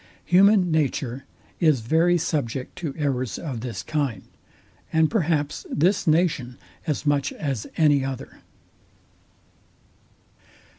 Human nature is very subject to errors of this kind; and perhaps this nation as much as any other.